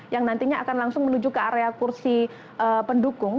yang nantinya akan langsung menuju ke area kursi pendukung